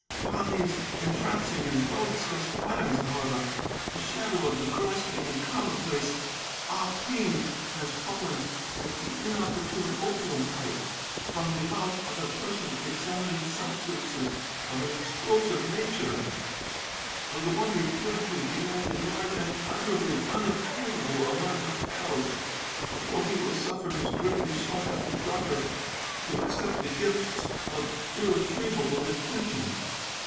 Upon these entrancing and well discussed plans, however, the shadow of the grasping and commonplace Ah Ping has fallen like the inopportune opium pipe from the mouth of a person examining substances of an explosive nature; for the one referred to demands a large and utterly unobtainable amount of taels before he will suffer his greatly sought after daughter to accept the gifts of irretrievable intention.